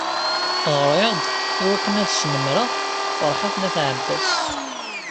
Ɣriɣ-d i wakken ad snemmreɣ Ferḥat n At Ɛebbas.